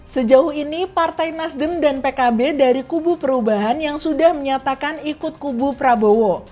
sejauh ini partai nasdem dan pkb dari kubu perubahan yang sudah menyatakan ikut kubu prabowo